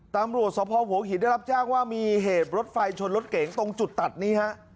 ตำรวจสภหัวหินได้รับแจ้งว่ามีเหตุรถไฟชนรถเก๋งตรงจุดตัดนี้ฮะ